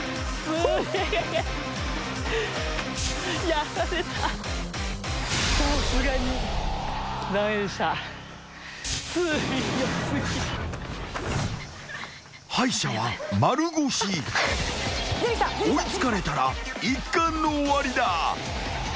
［追い付かれたら一巻の終わりだ］